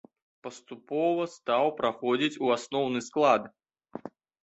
Паступова стаў праходзіць у асноўны склад.